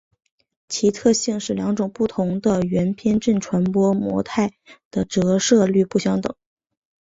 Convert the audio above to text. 其特性是两种不同的圆偏振传播模态的折射率不相等。